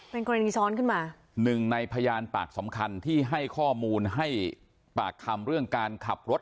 เป็นกรณีซ้อนขึ้นมาหนึ่งในพยานปากสำคัญที่ให้ข้อมูลให้ปากคำเรื่องการขับรถ